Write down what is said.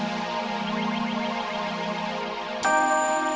apakah dan bagaimanaaskakah kau bisa membakar di permukaan cara itu